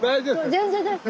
全然大丈夫。